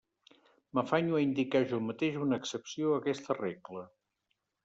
M'afanyo a indicar jo mateix una excepció a aquesta regla.